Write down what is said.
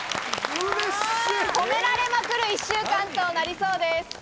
褒められまくる一週間となりそうです。